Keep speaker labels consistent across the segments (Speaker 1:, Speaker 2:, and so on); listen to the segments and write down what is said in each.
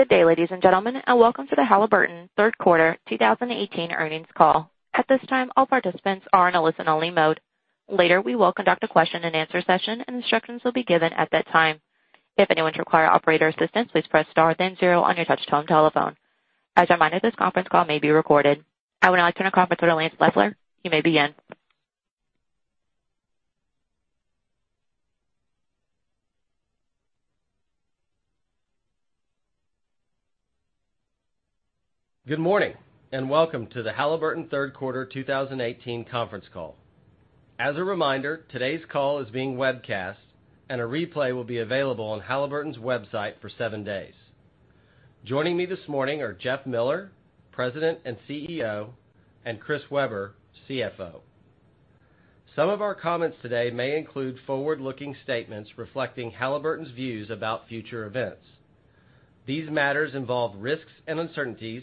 Speaker 1: Good day, ladies and gentlemen, and welcome to the Halliburton third quarter 2018 earnings call. At this time, all participants are in a listen-only mode. Later, we will conduct a question-and-answer session, and instructions will be given at that time. If anyone requires operator assistance, please press star then zero on your touch-tone telephone. As a reminder, this conference call may be recorded. I would now like to turn the conference over to Lance Loeffler. You may begin.
Speaker 2: Good morning, and welcome to the Halliburton third quarter 2018 conference call. As a reminder, today's call is being webcast, and a replay will be available on Halliburton's website for seven days. Joining me this morning are Jeff Miller, President and CEO, and Chris Weber, CFO. Some of our comments today may include forward-looking statements reflecting Halliburton's views about future events. These matters involve risks and uncertainties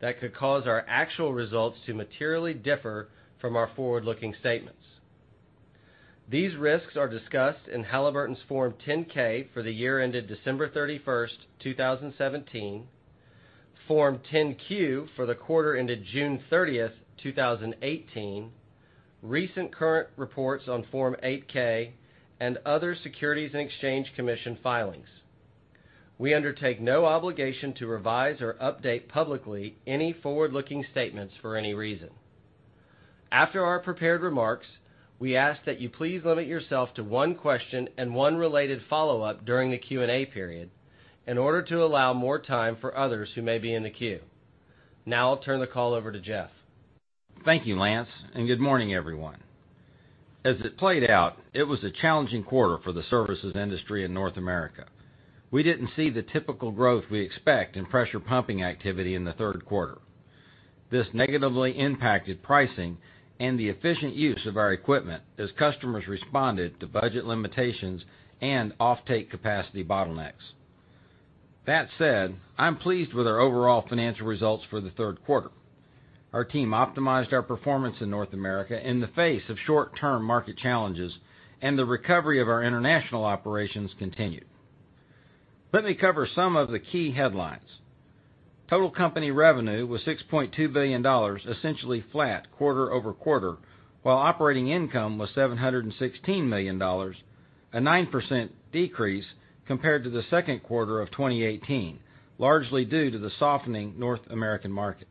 Speaker 2: that could cause our actual results to materially differ from our forward-looking statements. These risks are discussed in Halliburton's Form 10-K for the year ended December 31st, 2017, Form 10-Q for the quarter ended June 30th, 2018, recent current reports on Form 8-K, and other Securities and Exchange Commission filings. We undertake no obligation to revise or update publicly any forward-looking statements for any reason. After our prepared remarks, we ask that you please limit yourself to one question and one related follow-up during the Q&A period in order to allow more time for others who may be in the queue. I'll turn the call over to Jeff.
Speaker 3: Thank you, Lance, and good morning, everyone. As it played out, it was a challenging quarter for the services industry in North America. We didn't see the typical growth we expect in pressure pumping activity in the third quarter. This negatively impacted pricing and the efficient use of our equipment as customers responded to budget limitations and offtake capacity bottlenecks. That said, I'm pleased with our overall financial results for the third quarter. Our team optimized our performance in North America in the face of short-term market challenges, and the recovery of our international operations continued. Let me cover some of the key headlines. Total company revenue was $6.2 billion, essentially flat quarter-over-quarter, while operating income was $716 million, a 9% decrease compared to the second quarter of 2018, largely due to the softening North American market.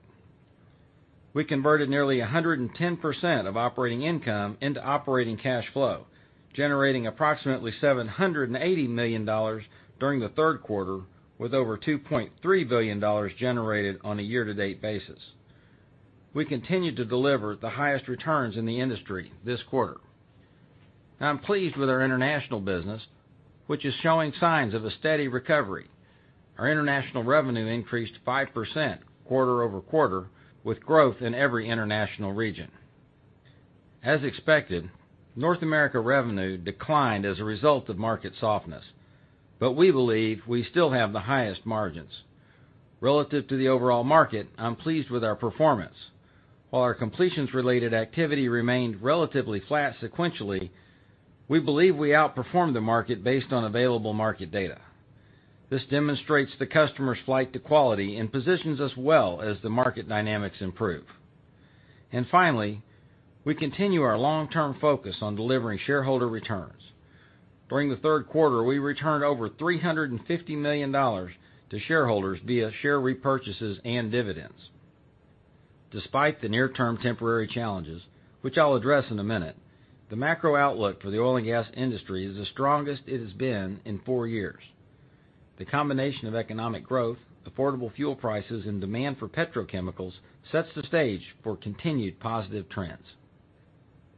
Speaker 3: We converted nearly 110% of operating income into operating cash flow, generating approximately $780 million during the third quarter, with over $2.3 billion generated on a year-to-date basis. We continued to deliver the highest returns in the industry this quarter. I'm pleased with our international business, which is showing signs of a steady recovery. Our international revenue increased 5% quarter-over-quarter, with growth in every international region. As expected, North America revenue declined as a result of market softness, but we believe we still have the highest margins. Relative to the overall market, I'm pleased with our performance. While our completions-related activity remained relatively flat sequentially, we believe we outperformed the market based on available market data. This demonstrates the customer's flight to quality and positions us well as the market dynamics improve. Finally, we continue our long-term focus on delivering shareholder returns. During the third quarter, we returned over $350 million to shareholders via share repurchases and dividends. Despite the near-term temporary challenges, which I'll address in a minute, the macro outlook for the oil and gas industry is the strongest it has been in four years. The combination of economic growth, affordable fuel prices, and demand for petrochemicals sets the stage for continued positive trends.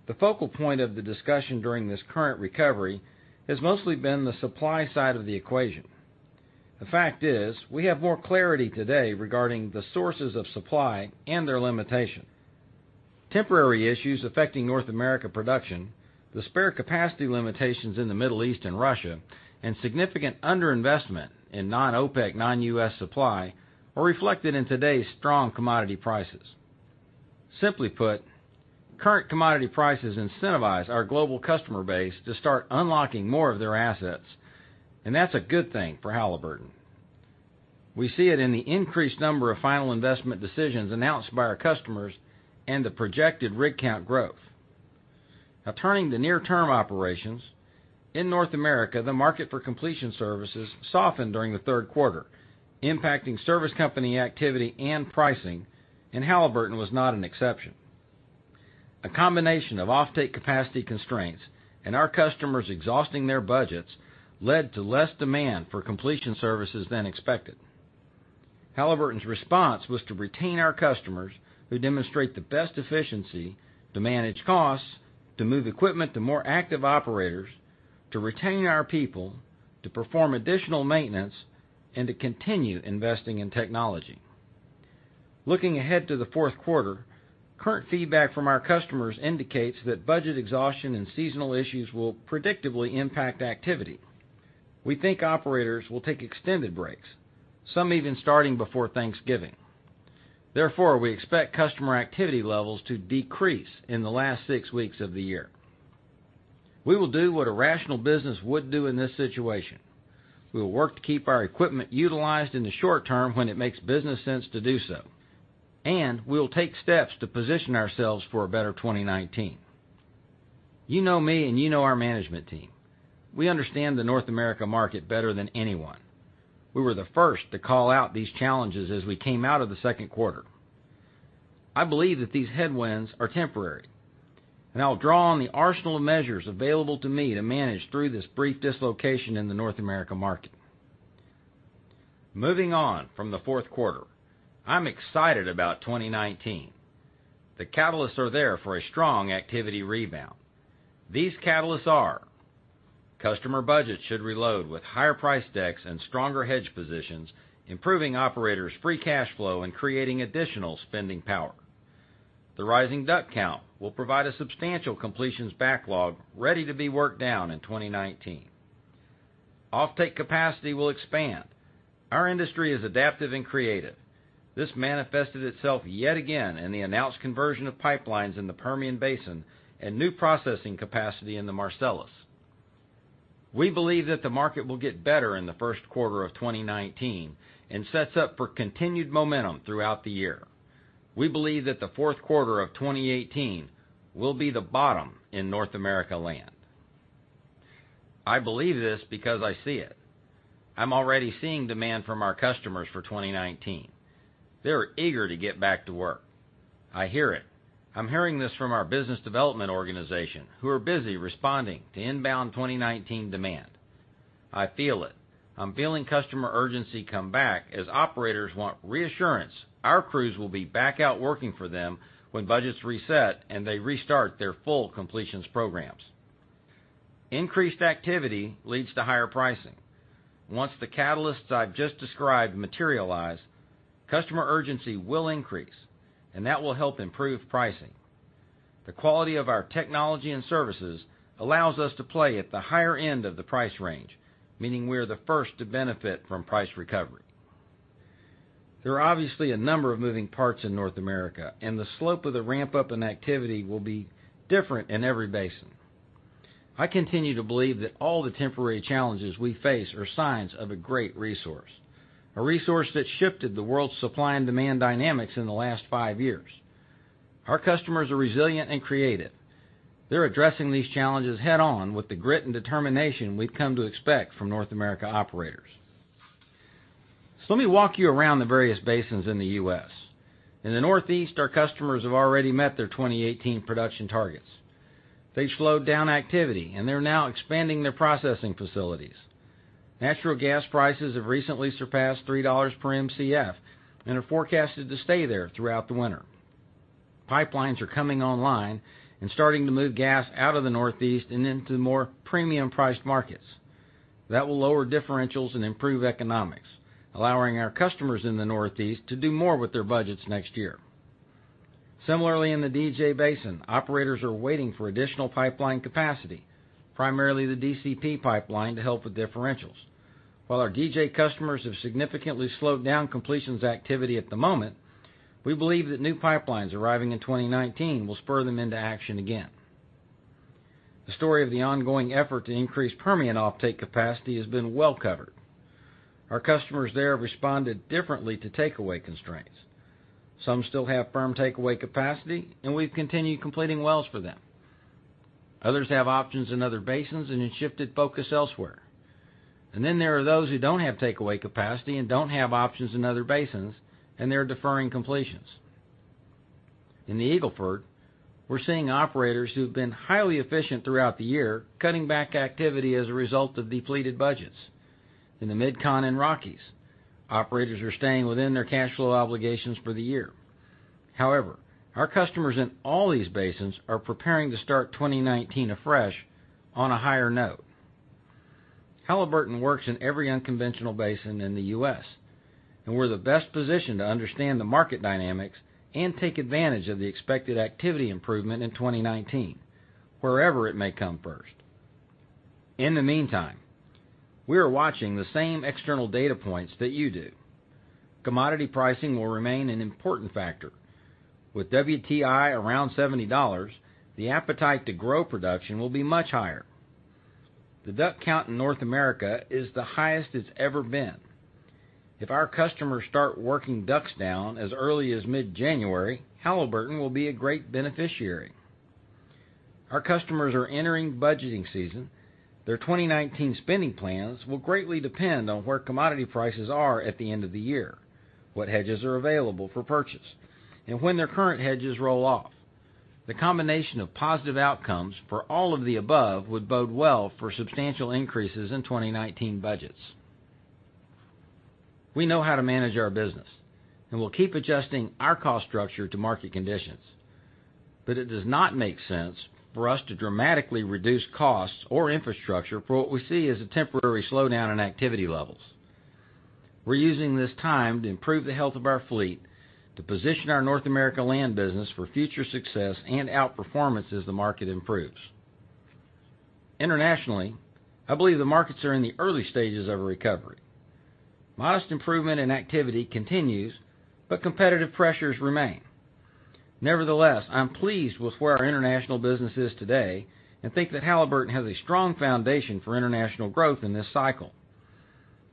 Speaker 3: The focal point of the discussion during this current recovery has mostly been the supply side of the equation. The fact is, we have more clarity today regarding the sources of supply and their limitations. Temporary issues affecting North America production, the spare capacity limitations in the Middle East and Russia, and significant underinvestment in non-OPEC, non-U.S. supply are reflected in today's strong commodity prices. Simply put, current commodity prices incentivize our global customer base to start unlocking more of their assets. That's a good thing for Halliburton. We see it in the increased number of final investment decisions announced by our customers and the projected rig count growth. Turning to near-term operations. In North America, the market for completion services softened during the third quarter, impacting service company activity and pricing. Halliburton was not an exception. A combination of offtake capacity constraints and our customers exhausting their budgets led to less demand for completion services than expected. Halliburton's response was to retain our customers, who demonstrate the best efficiency to manage costs, to move equipment to more active operators, to retain our people, to perform additional maintenance, and to continue investing in technology. Looking ahead to the fourth quarter, current feedback from our customers indicates that budget exhaustion and seasonal issues will predictably impact activity. We think operators will take extended breaks, some even starting before Thanksgiving. Therefore, we expect customer activity levels to decrease in the last six weeks of the year. We will do what a rational business would do in this situation. We will work to keep our equipment utilized in the short term when it makes business sense to do so, and we will take steps to position ourselves for a better 2019. You know me and you know our management team. We understand the North America market better than anyone. We were the first to call out these challenges as we came out of the second quarter. I believe that these headwinds are temporary, and I'll draw on the arsenal of measures available to me to manage through this brief dislocation in the North America market. Moving on from the fourth quarter, I'm excited about 2019. The catalysts are there for a strong activity rebound. These catalysts are customer budgets should reload with higher priced decks and stronger hedge positions, improving operators' free cash flow and creating additional spending power. The rising DUC count will provide a substantial completions backlog ready to be worked down in 2019. Offtake capacity will expand. Our industry is adaptive and creative. This manifested itself yet again in the announced conversion of pipelines in the Permian Basin and new processing capacity in the Marcellus. We believe that the market will get better in the first quarter of 2019 and sets up for continued momentum throughout the year. We believe that the fourth quarter of 2018 will be the bottom in North America land. I believe this because I see it. I'm already seeing demand from our customers for 2019. They're eager to get back to work. I hear it. I'm hearing this from our business development organization, who are busy responding to inbound 2019 demand. I feel it. I'm feeling customer urgency come back as operators want reassurance our crews will be back out working for them when budgets reset and they restart their full completions programs. Increased activity leads to higher pricing. Once the catalysts I've just described materialize, customer urgency will increase, and that will help improve pricing. The quality of our technology and services allows us to play at the higher end of the price range, meaning we are the first to benefit from price recovery. There are obviously a number of moving parts in North America, and the slope of the ramp-up in activity will be different in every basin. I continue to believe that all the temporary challenges we face are signs of a great resource, a resource that shifted the world's supply and demand dynamics in the last five years. Our customers are resilient and creative. They're addressing these challenges head-on with the grit and determination we've come to expect from North America operators. Let me walk you around the various basins in the U.S. In the Northeast, our customers have already met their 2018 production targets. They've slowed down activity, and they're now expanding their processing facilities. Natural gas prices have recently surpassed $3 per Mcf and are forecasted to stay there throughout the winter. Pipelines are coming online and starting to move gas out of the Northeast and into more premium priced markets. That will lower differentials and improve economics, allowing our customers in the Northeast to do more with their budgets next year. Similarly, in the DJ Basin, operators are waiting for additional pipeline capacity, primarily the DCP pipeline, to help with differentials. While our DJ customers have significantly slowed down completions activity at the moment, we believe that new pipelines arriving in 2019 will spur them into action again. The story of the ongoing effort to increase Permian offtake capacity has been well covered. Our customers there have responded differently to takeaway constraints. Some still have firm takeaway capacity, and we've continued completing wells for them. Others have options in other basins and have shifted focus elsewhere. There are those who don't have takeaway capacity and don't have options in other basins, and they're deferring completions. In the Eagle Ford, we're seeing operators who have been highly efficient throughout the year, cutting back activity as a result of depleted budgets. In the MidCon and Rockies, operators are staying within their cash flow obligations for the year. However, our customers in all these basins are preparing to start 2019 afresh on a higher note. Halliburton works in every unconventional basin in the U.S., and we're the best positioned to understand the market dynamics and take advantage of the expected activity improvement in 2019, wherever it may come first. In the meantime, we are watching the same external data points that you do. Commodity pricing will remain an important factor. With WTI around $70, the appetite to grow production will be much higher. The DUC count in North America is the highest it's ever been. If our customers start working DUCs down as early as mid-January, Halliburton will be a great beneficiary. Our customers are entering budgeting season. Their 2019 spending plans will greatly depend on where commodity prices are at the end of the year, what hedges are available for purchase, and when their current hedges roll off. The combination of positive outcomes for all of the above would bode well for substantial increases in 2019 budgets. We know how to manage our business, and we'll keep adjusting our cost structure to market conditions. It does not make sense for us to dramatically reduce costs or infrastructure for what we see as a temporary slowdown in activity levels. We're using this time to improve the health of our fleet to position our North America land business for future success and outperformance as the market improves. Internationally, I believe the markets are in the early stages of a recovery. Modest improvement in activity continues, but competitive pressures remain. Nevertheless, I'm pleased with where our international business is today and think that Halliburton has a strong foundation for international growth in this cycle.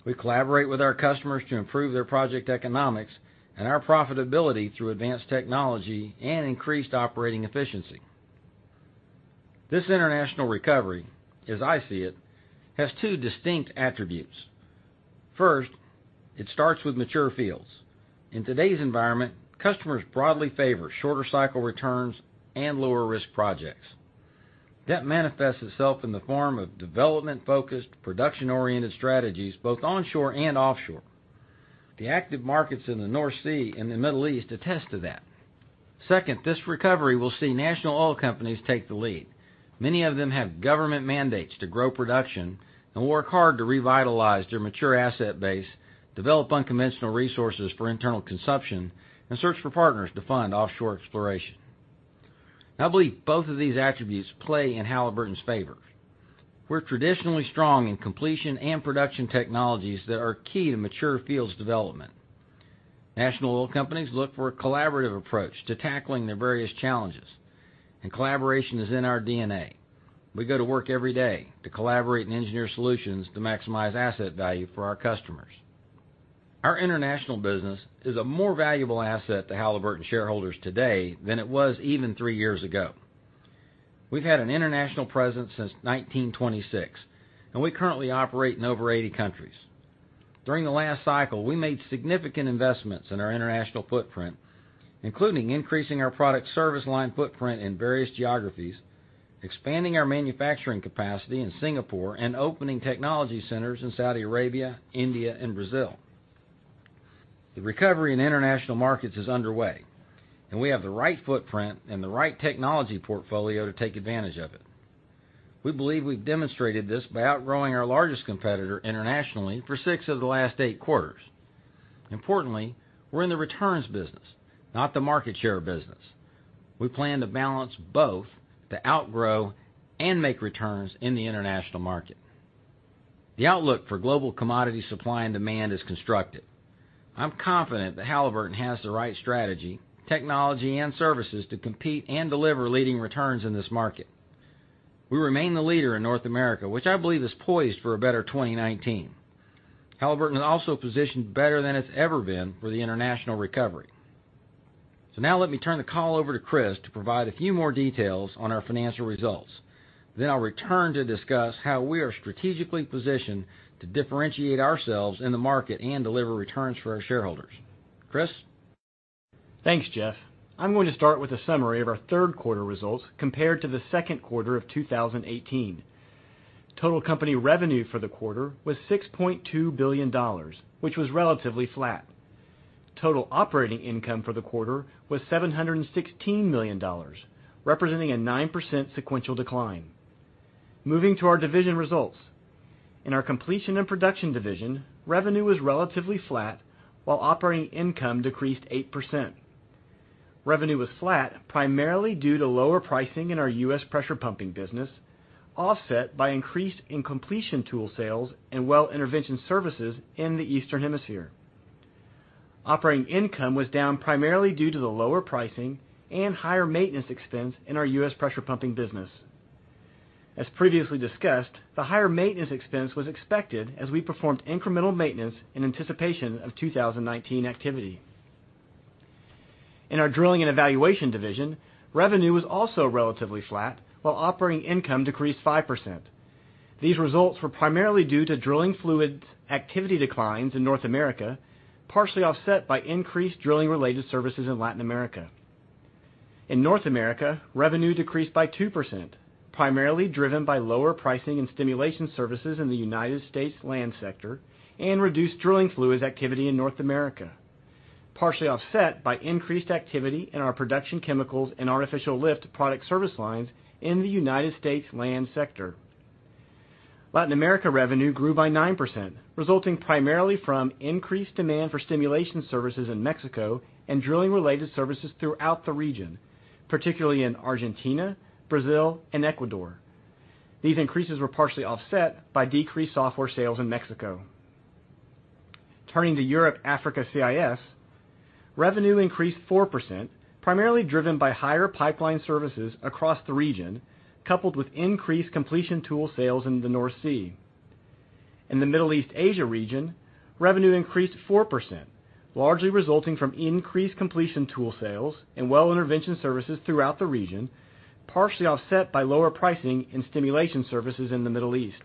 Speaker 3: We collaborate with our customers to improve their project economics and our profitability through advanced technology and increased operating efficiency. This international recovery, as I see it, has two distinct attributes. First, it starts with mature fields. In today's environment, customers broadly favor shorter cycle returns and lower-risk projects. That manifests itself in the form of development-focused, production-oriented strategies, both onshore and offshore. The active markets in the North Sea and the Middle East attest to that. Second, this recovery will see national oil companies take the lead. Many of them have government mandates to grow production and work hard to revitalize their mature asset base, develop unconventional resources for internal consumption, and search for partners to fund offshore exploration. I believe both of these attributes play in Halliburton's favor. We're traditionally strong in completion and production technologies that are key to mature fields development. National oil companies look for a collaborative approach to tackling their various challenges, and collaboration is in our DNA. We go to work every day to collaborate and engineer solutions to maximize asset value for our customers. Our international business is a more valuable asset to Halliburton shareholders today than it was even three years ago. We've had an international presence since 1926, and we currently operate in over 80 countries. During the last cycle, we made significant investments in our international footprint, including increasing our product service line footprint in various geographies, expanding our manufacturing capacity in Singapore, and opening technology centers in Saudi Arabia, India, and Brazil. The recovery in international markets is underway, and we have the right footprint and the right technology portfolio to take advantage of it. We believe we've demonstrated this by outgrowing our largest competitor internationally for six of the last eight quarters. Importantly, we're in the returns business, not the market share business. We plan to balance both to outgrow and make returns in the international market. The outlook for global commodity supply and demand is constructed. I'm confident that Halliburton has the right strategy, technology, and services to compete and deliver leading returns in this market. We remain the leader in North America, which I believe is poised for a better 2019. Halliburton is also positioned better than it's ever been for the international recovery. Now let me turn the call over to Chris to provide a few more details on our financial results. I'll return to discuss how we are strategically positioned to differentiate ourselves in the market and deliver returns for our shareholders. Chris?
Speaker 4: Thanks, Jeff. I'm going to start with a summary of our third quarter results compared to the second quarter of 2018. Total company revenue for the quarter was $6.2 billion, which was relatively flat. Total operating income for the quarter was $716 million, representing a 9% sequential decline. Moving to our division results. In our Completion and Production division, revenue was relatively flat while operating income decreased 8%. Revenue was flat, primarily due to lower pricing in our U.S. pressure pumping business, offset by increase in completion tool sales and well intervention services in the Eastern Hemisphere. Operating income was down primarily due to the lower pricing and higher maintenance expense in our U.S. pressure pumping business. As previously discussed, the higher maintenance expense was expected as we performed incremental maintenance in anticipation of 2019 activity. In our Drilling and Evaluation division, revenue was also relatively flat while operating income decreased 5%. These results were primarily due to drilling fluids activity declines in North America, partially offset by increased drilling-related services in Latin America. In North America, revenue decreased by 2%, primarily driven by lower pricing and stimulation services in the U.S. land sector and reduced drilling fluids activity in North America, partially offset by increased activity in our production chemicals and artificial lift product service lines in the U.S. land sector. Latin America revenue grew by 9%, resulting primarily from increased demand for stimulation services in Mexico and drilling-related services throughout the region, particularly in Argentina, Brazil, and Ecuador. These increases were partially offset by decreased software sales in Mexico. Turning to Europe, Africa, CIS, revenue increased 4%, primarily driven by higher pipeline services across the region, coupled with increased completion tool sales in the North Sea. In the Middle East/Asia region, revenue increased 4%, largely resulting from increased completion tool sales and well intervention services throughout the region, partially offset by lower pricing in stimulation services in the Middle East.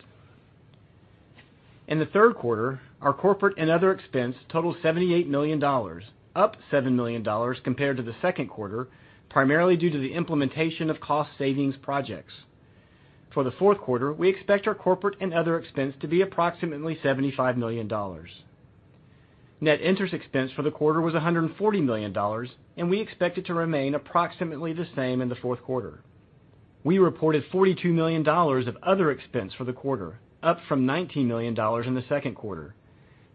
Speaker 4: In the third quarter, our corporate and other expense totaled $78 million, up $7 million compared to the second quarter, primarily due to the implementation of cost savings projects. For the fourth quarter, we expect our corporate and other expense to be approximately $75 million. Net interest expense for the quarter was $140 million, and we expect it to remain approximately the same in the fourth quarter. We reported $42 million of other expense for the quarter, up from $19 million in the second quarter.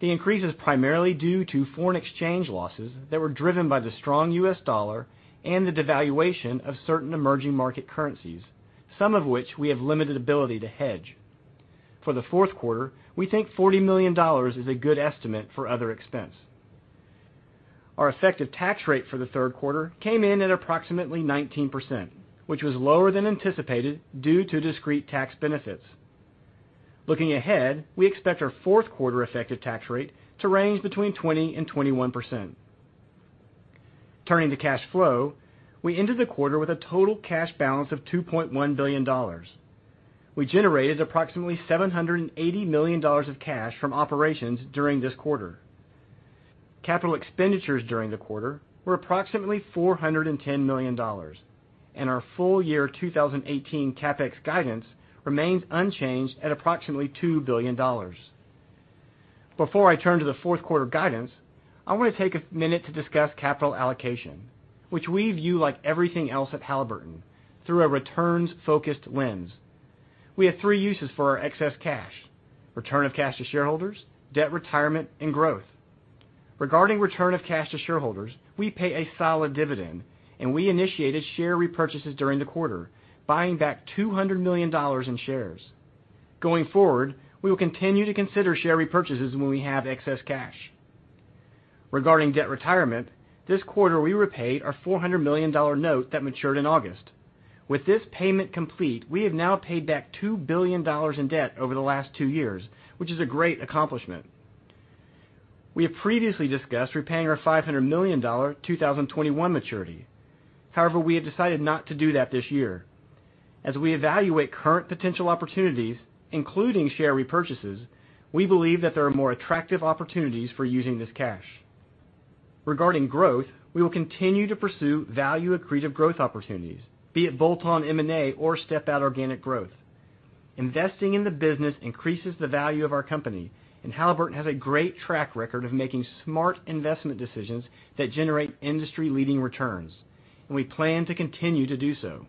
Speaker 4: The increase is primarily due to foreign exchange losses that were driven by the strong US dollar and the devaluation of certain emerging market currencies, some of which we have limited ability to hedge. For the fourth quarter, we think $40 million is a good estimate for other expense. Our effective tax rate for the third quarter came in at approximately 19%, which was lower than anticipated due to discrete tax benefits. Looking ahead, we expect our fourth quarter effective tax rate to range between 20%-21%. Turning to cash flow, we ended the quarter with a total cash balance of $2.1 billion. We generated approximately $780 million of cash from operations during this quarter. Capital expenditures during the quarter were approximately $410 million, and our full year 2018 CapEx guidance remains unchanged at approximately $2 billion. Before I turn to the fourth quarter guidance, I want to take a minute to discuss capital allocation, which we view like everything else at Halliburton, through a returns-focused lens. We have three uses for our excess cash: return of cash to shareholders, debt retirement, and growth. Regarding return of cash to shareholders, we pay a solid dividend, and we initiated share repurchases during the quarter, buying back $200 million in shares. Regarding debt retirement, this quarter we repaid our $400 million note that matured in August. With this payment complete, we have now paid back $2 billion in debt over the last two years, which is a great accomplishment. We have previously discussed repaying our $500 million 2021 maturity. We have decided not to do that this year. As we evaluate current potential opportunities, including share repurchases, we believe that there are more attractive opportunities for using this cash. Regarding growth, we will continue to pursue value-accretive growth opportunities, be it bolt-on M&A or step-out organic growth. Investing in the business increases the value of our company, Halliburton has a great track record of making smart investment decisions that generate industry-leading returns, and we plan to continue to do so.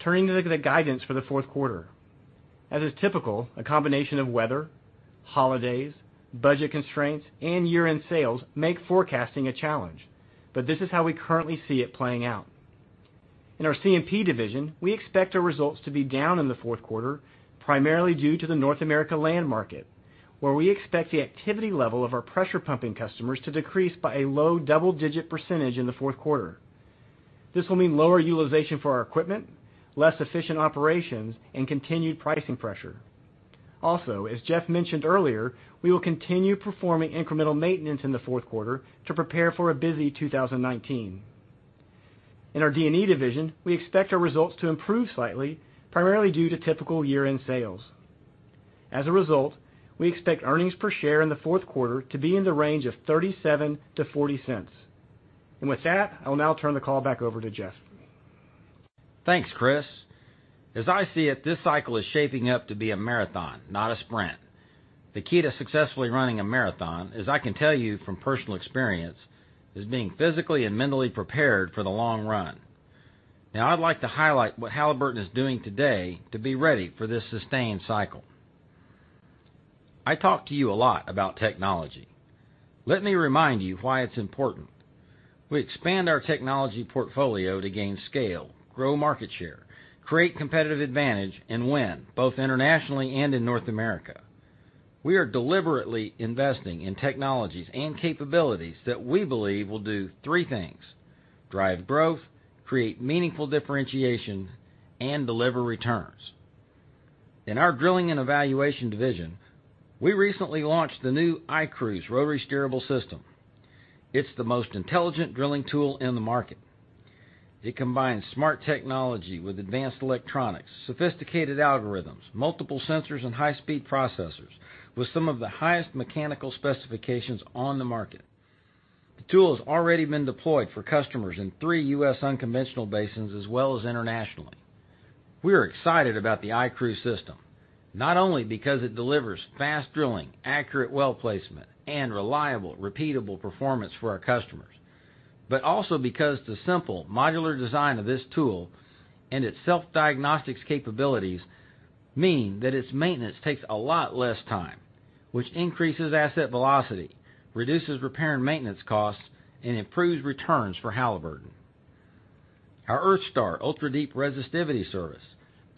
Speaker 4: Turning to the guidance for the fourth quarter. As is typical, a combination of weather, holidays, budget constraints, and year-end sales make forecasting a challenge. This is how we currently see it playing out. In our C&P division, we expect our results to be down in the fourth quarter, primarily due to the North America land market, where we expect the activity level of our pressure pumping customers to decrease by a low double-digit % in the fourth quarter. This will mean lower utilization for our equipment, less efficient operations, and continued pricing pressure. Also, as Jeff mentioned earlier, we will continue performing incremental maintenance in the fourth quarter to prepare for a busy 2019. In our D&E division, we expect our results to improve slightly, primarily due to typical year-end sales. As a result, we expect earnings per share in the fourth quarter to be in the range of $0.37 to $0.40. With that, I'll now turn the call back over to Jeff.
Speaker 3: Thanks, Chris. As I see it, this cycle is shaping up to be a marathon, not a sprint. The key to successfully running a marathon, as I can tell you from personal experience, is being physically and mentally prepared for the long run. Now I'd like to highlight what Halliburton is doing today to be ready for this sustained cycle. I talk to you a lot about technology. Let me remind you why it's important. We expand our technology portfolio to gain scale, grow market share, create competitive advantage, and win, both internationally and in North America. We are deliberately investing in technologies and capabilities that we believe will do three things: drive growth, create meaningful differentiation, and deliver returns. In our Drilling and Evaluation division, we recently launched the new iCruise rotary steerable system. It's the most intelligent drilling tool in the market. It combines smart technology with advanced electronics, sophisticated algorithms, multiple sensors and high-speed processors with some of the highest mechanical specifications on the market. The tool has already been deployed for customers in three U.S. unconventional basins, as well as internationally. We are excited about the iCruise system, not only because it delivers fast drilling, accurate well placement, and reliable, repeatable performance for our customers, but also because the simple modular design of this tool and its self-diagnostics capabilities mean that its maintenance takes a lot less time, which increases asset velocity, reduces repair and maintenance costs, and improves returns for Halliburton. Our EarthStar Ultra-Deep Resistivity Service,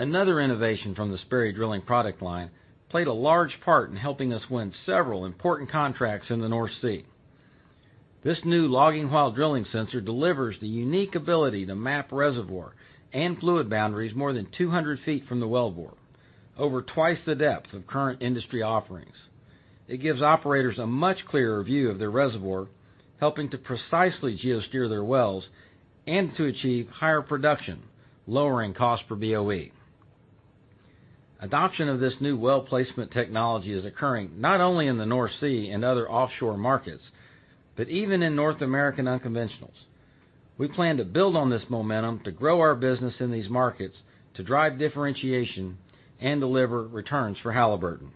Speaker 3: another innovation from the Sperry Drilling product line, played a large part in helping us win several important contracts in the North Sea. This new logging while drilling sensor delivers the unique ability to map reservoir and fluid boundaries more than 200 feet from the well bore, over twice the depth of current industry offerings. It gives operators a much clearer view of their reservoir, helping to precisely geosteer their wells and to achieve higher production, lowering cost per BOE. Adoption of this new well placement technology is occurring not only in the North Sea and other offshore markets, but even in North American unconventionals. We plan to build on this momentum to grow our business in these markets to drive differentiation and deliver returns for Halliburton.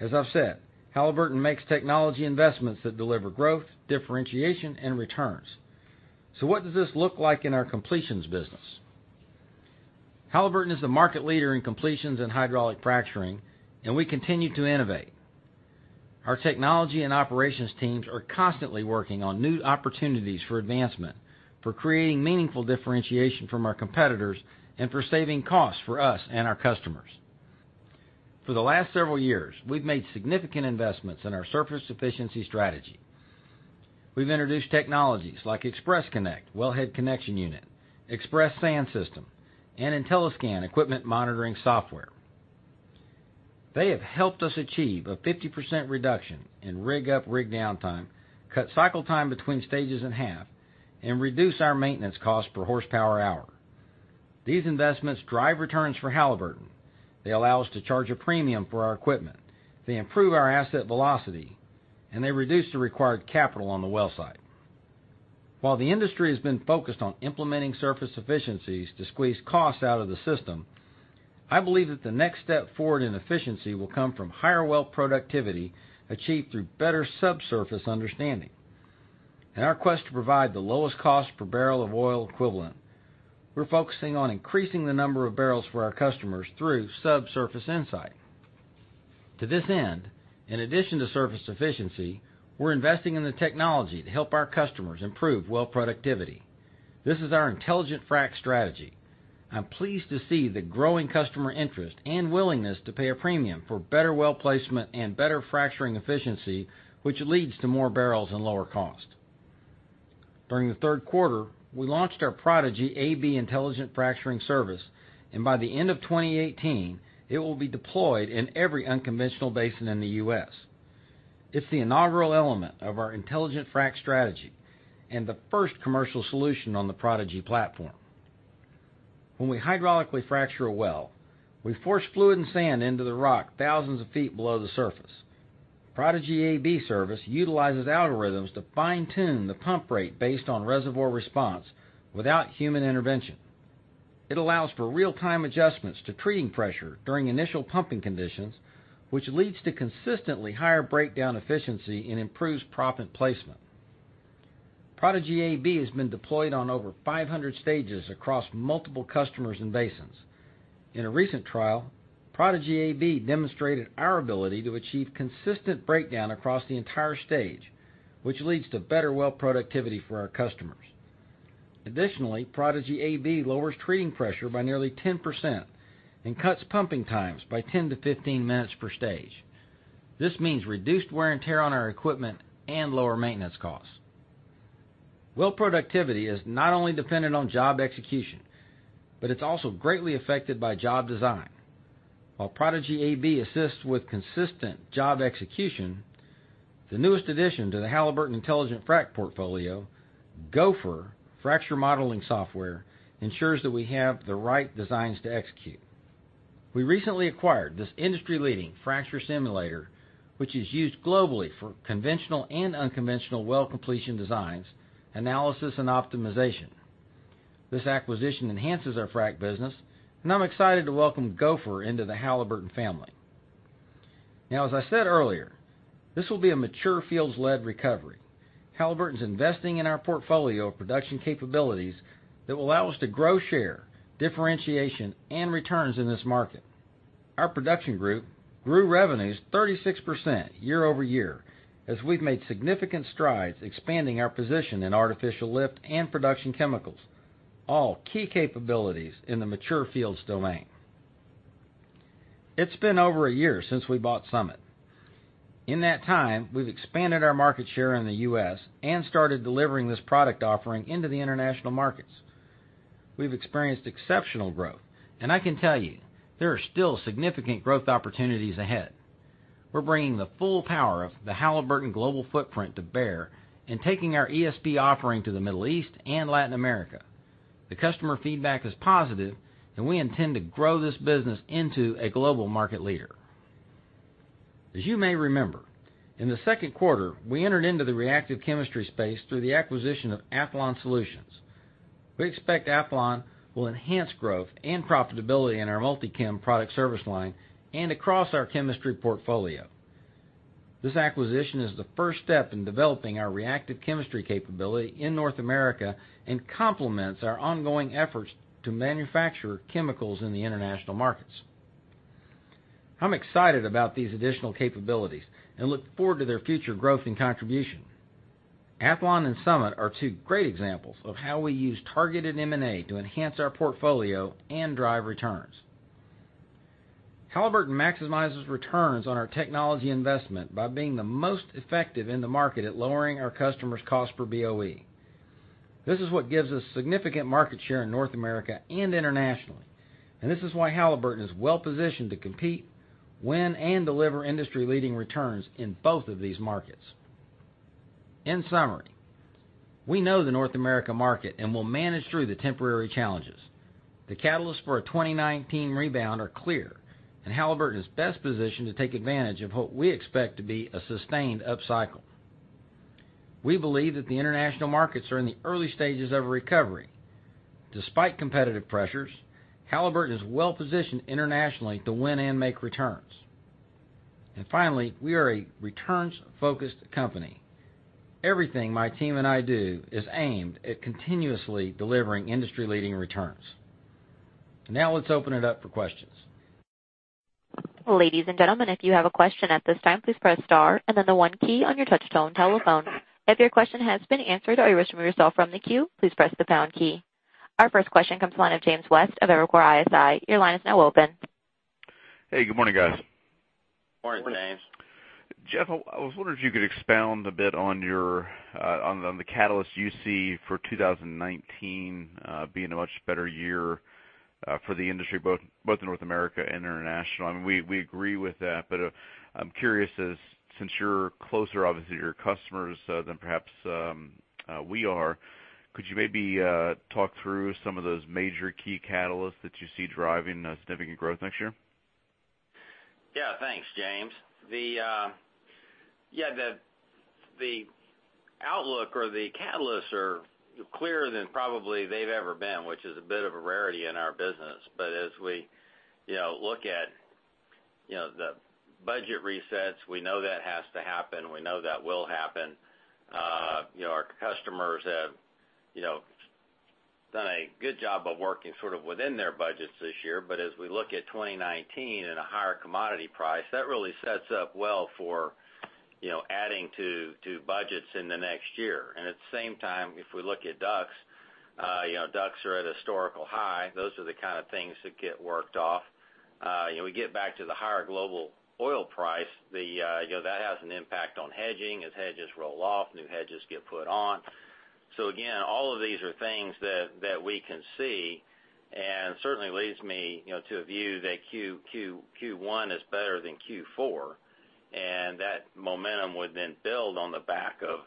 Speaker 3: As I've said, Halliburton makes technology investments that deliver growth, differentiation, and returns. What does this look like in our completions business? Halliburton is the market leader in completions and hydraulic fracturing, and we continue to innovate. Our technology and operations teams are constantly working on new opportunities for advancement, for creating meaningful differentiation from our competitors, and for saving costs for us and our customers. For the last several years, we've made significant investments in our surface efficiency strategy. We've introduced technologies like ExpressKinect wellhead connection unit, ExpressSand system, and IntelliScan equipment monitoring software. They have helped us achieve a 50% reduction in rig up, rig down time, cut cycle time between stages in half, and reduce our maintenance cost per horsepower hour. These investments drive returns for Halliburton. They allow us to charge a premium for our equipment. They improve our asset velocity, and they reduce the required capital on the well site. While the industry has been focused on implementing surface efficiencies to squeeze costs out of the system, I believe that the next step forward in efficiency will come from higher well productivity achieved through better subsurface understanding. In our quest to provide the lowest cost per barrel of oil equivalent, we're focusing on increasing the number of barrels for our customers through subsurface insight. To this end, in addition to surface efficiency, we're investing in the technology to help our customers improve well productivity. This is our intelligent frac strategy. I'm pleased to see the growing customer interest and willingness to pay a premium for better well placement and better fracturing efficiency, which leads to more barrels and lower cost. During the third quarter, we launched our Prodigi AB intelligent fracturing service, and by the end of 2018, it will be deployed in every unconventional basin in the U.S. It's the inaugural element of our intelligent frac strategy and the first commercial solution on the Prodigi platform. When we hydraulically fracture a well, we force fluid and sand into the rock thousands of feet below the surface. Prodigi AB Service utilizes algorithms to fine-tune the pump rate based on reservoir response without human intervention. It allows for real-time adjustments to treating pressure during initial pumping conditions, which leads to consistently higher breakdown efficiency and improves proppant placement. Prodigi AB has been deployed on over 500 stages across multiple customers and basins. In a recent trial, Prodigi AB demonstrated our ability to achieve consistent breakdown across the entire stage, which leads to better well productivity for our customers. Additionally, Prodigi AB lowers treating pressure by nearly 10% and cuts pumping times by 10-15 minutes per stage. This means reduced wear and tear on our equipment and lower maintenance costs. Well productivity is not only dependent on job execution, but it's also greatly affected by job design. While Prodigi AB assists with consistent job execution, the newest addition to the Halliburton intelligent frac portfolio, GOHFER Fracture Modeling Software, ensures that we have the right designs to execute. We recently acquired this industry-leading fracture simulator, which is used globally for conventional and unconventional well completion designs, analysis, and optimization. This acquisition enhances our frac business, and I'm excited to welcome GOHFER into the Halliburton family. As I said earlier, this will be a mature fields-led recovery. Halliburton's investing in our portfolio of production capabilities that will allow us to grow share, differentiation, and returns in this market. Our production group grew revenues 36% year-over-year as we've made significant strides expanding our position in artificial lift and production chemicals, all key capabilities in the mature fields domain. It's been over a year since we bought Summit. In that time, we've expanded our market share in the U.S. and started delivering this product offering into the international markets. We've experienced exceptional growth, and I can tell you there are still significant growth opportunities ahead. We're bringing the full power of the Halliburton global footprint to bear in taking our ESP offering to the Middle East and Latin America. The customer feedback is positive, and we intend to grow this business into a global market leader. As you may remember, in the second quarter, we entered into the reactive chemistry space through the acquisition of Athlon Solutions. We expect Athlon will enhance growth and profitability in our Multi-Chem product service line and across our chemistry portfolio. This acquisition is the first step in developing our reactive chemistry capability in North America and complements our ongoing efforts to manufacture chemicals in the international markets. I'm excited about these additional capabilities and look forward to their future growth and contribution. Athlon and Summit are two great examples of how we use targeted M&A to enhance our portfolio and drive returns. Halliburton maximizes returns on our technology investment by being the most effective in the market at lowering our customers' cost per BOE. This is what gives us significant market share in North America and internationally, and this is why Halliburton is well-positioned to compete, win, and deliver industry-leading returns in both of these markets. In summary, we know the North America market and will manage through the temporary challenges. The catalysts for a 2019 rebound are clear, and Halliburton is best positioned to take advantage of what we expect to be a sustained upcycle. We believe that the international markets are in the early stages of a recovery. Despite competitive pressures, Halliburton is well-positioned internationally to win and make returns. Finally, we are a returns-focused company. Everything my team and I do is aimed at continuously delivering industry-leading returns. Now let's open it up for questions.
Speaker 1: Ladies and gentlemen, if you have a question at this time, please press star and then the one key on your touch-tone telephone. If your question has been answered or you wish to remove yourself from the queue, please press the pound key. Our first question comes to the line of James West of Evercore ISI. Your line is now open.
Speaker 5: Hey, good morning, guys.
Speaker 3: Morning, James.
Speaker 5: Jeff, I was wondering if you could expound a bit on the catalyst you see for 2019 being a much better year for the industry, both in North America and international. I mean, we agree with that, but I'm curious, since you're closer, obviously, to your customers than perhaps we are, could you maybe talk through some of those major key catalysts that you see driving significant growth next year?
Speaker 3: Thanks, James. The outlook or the catalysts are clearer than probably they've ever been, which is a bit of a rarity in our business. As we look at the budget resets, we know that has to happen. We know that will happen. Our customers have done a good job of working sort of within their budgets this year. As we look at 2019 at a higher commodity price, that really sets up well for adding to budgets in the next year. At the same time, if we look at DUCs are at a historical high. Those are the kind of things that get worked off. We get back to the higher global oil price, that has an impact on hedging. As hedges roll off, new hedges get put on. Again, all of these are things that we can see, and certainly leads me to a view that Q1 is better than Q4, and that momentum would then build on the back of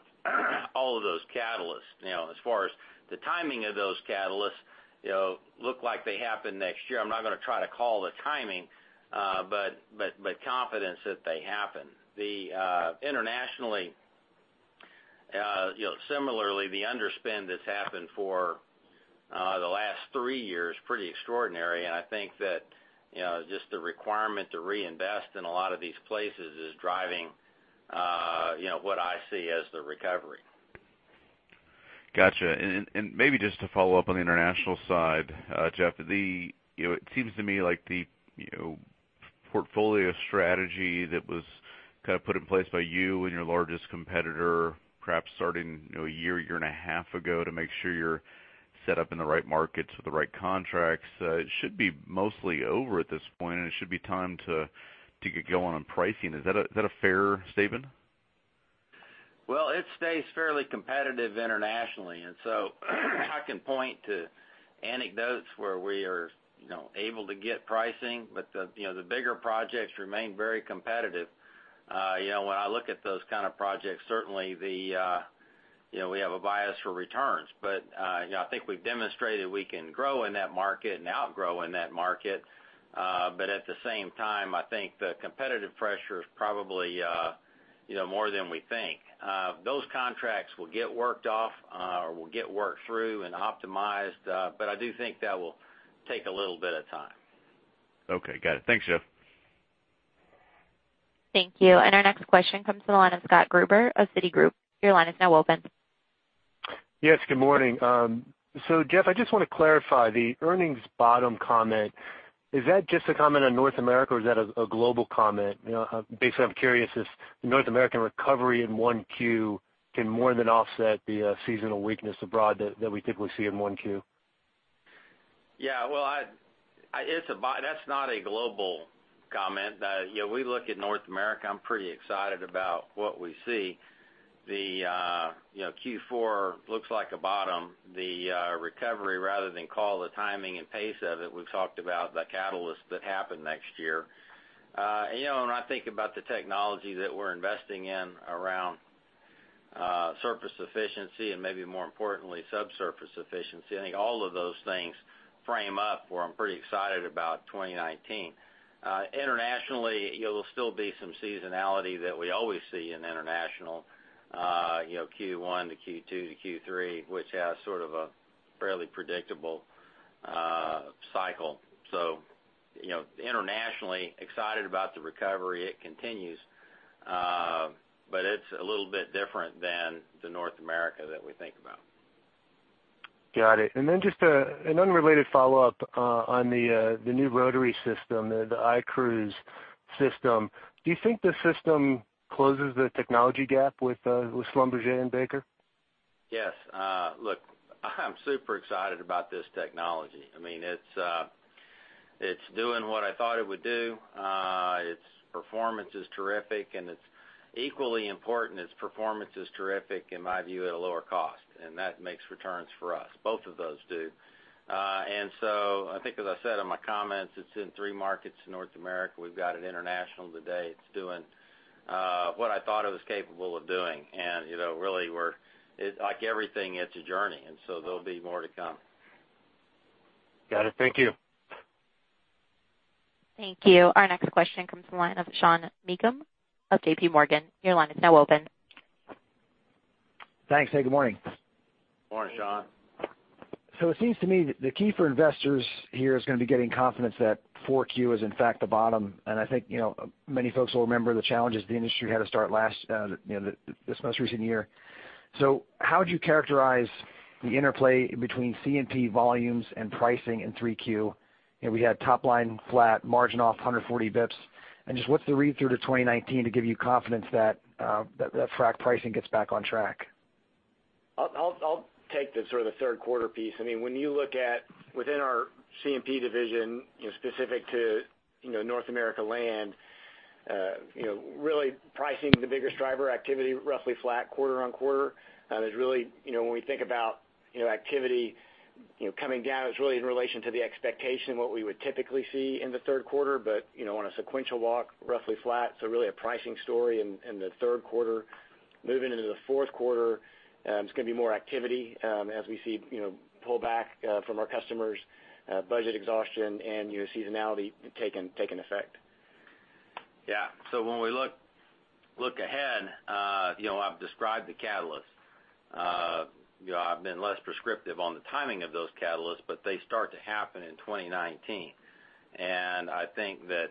Speaker 3: all of those catalysts. As far as the timing of those catalysts look like they happen next year, I'm not going to try to call the timing, but confidence that they happen. Internationally, similarly, the underspend that's happened for the last three years, pretty extraordinary, and I think that just the requirement to reinvest in a lot of these places is driving what I see as the recovery.
Speaker 5: Got you. Maybe just to follow up on the international side, Jeff, it seems to me like the portfolio strategy that was kind of put in place by you and your largest competitor, perhaps starting a year and a half ago, to make sure you're set up in the right markets with the right contracts, it should be mostly over at this point, and it should be time to get going on pricing. Is that a fair statement?
Speaker 3: Well, it stays fairly competitive internationally, I can point to anecdotes where we are able to get pricing, the bigger projects remain very competitive. When I look at those kind of projects, certainly we have a bias for returns. I think we've demonstrated we can grow in that market and outgrow in that market. At the same time, I think the competitive pressure is probably more than we think. Those contracts will get worked off, or will get worked through and optimized. I do think that will take a little bit of time.
Speaker 5: Okay, got it. Thanks, Jeff.
Speaker 1: Thank you. Our next question comes from the line of Scott Gruber of Citigroup. Your line is now open.
Speaker 6: Yes, good morning. Jeff, I just want to clarify the earnings bottom comment. Is that just a comment on North America, or is that a global comment? Basically, I'm curious if North American recovery in 1Q can more than offset the seasonal weakness abroad that we typically see in 1Q.
Speaker 3: That's not a global comment. We look at North America, I'm pretty excited about what we see. The Q4 looks like a bottom. The recovery, rather than call the timing and pace of it, we've talked about the catalysts that happen next year. When I think about the technology that we're investing in around surface efficiency and maybe more importantly, subsurface efficiency, I think all of those things frame up where I'm pretty excited about 2019. Internationally, there'll still be some seasonality that we always see in international. Q1 to Q2 to Q3, which has sort of a fairly predictable cycle. Internationally, excited about the recovery. It continues. It's a little bit different than the North America that we think about.
Speaker 6: Got it. Just an unrelated follow-up on the new rotary system, the iCruise system. Do you think the system closes the technology gap with Schlumberger and Baker?
Speaker 3: Yes. Look, I'm super excited about this technology. It's doing what I thought it would do. Its performance is terrific, and it's equally important, its performance is terrific, in my view, at a lower cost, and that makes returns for us. Both of those do. I think, as I said in my comments, it's in three markets in North America. We've got it international today. It's doing what I thought it was capable of doing. Really, like everything, it's a journey, there'll be more to come.
Speaker 6: Got it. Thank you.
Speaker 1: Thank you. Our next question comes from the line of Sean Meakim of J.P. Morgan. Your line is now open.
Speaker 7: Thanks. Hey, good morning.
Speaker 3: Morning, Sean.
Speaker 7: It seems to me the key for investors here is going to be getting confidence that 4Q is, in fact, the bottom. I think many folks will remember the challenges the industry had to start this most recent year. How would you characterize the interplay between C&P volumes and pricing in Q3? We had top-line flat margin off 140 basis points. Just what's the read-through to 2019 to give you confidence that frac pricing gets back on track?
Speaker 4: I'll take the sort of the third quarter piece. When you look at within our C&P division, specific to North America land, really pricing the biggest driver activity, roughly flat quarter-on-quarter. When we think about activity coming down, it's really in relation to the expectation, what we would typically see in the third quarter. On a sequential walk, roughly flat, so really a pricing story in the third quarter. Moving into the fourth quarter, it's going to be more activity, as we see pullback from our customers, budget exhaustion and seasonality taking effect.
Speaker 3: Yeah. When we look ahead, I've described the catalyst. I've been less prescriptive on the timing of those catalysts, but they start to happen in 2019. I think that,